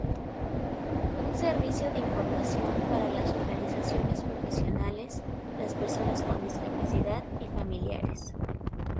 Un servicio de información para las organizaciones, profesionales, las personas con discapacidad y familiares.